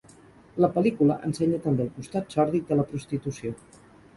La pel·lícula ensenya també el costat sòrdid de la prostitució.